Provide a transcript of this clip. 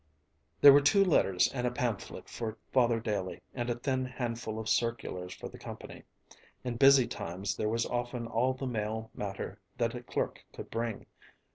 There were two letters and a pamphlet for Father Daley and a thin handful of circulars for the company. In busy times there was often all the mail matter that a clerk could bring.